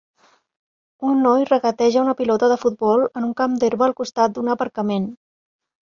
Un noi regateja una pilota de futbol en un camp d'herba al costat d'un aparcament.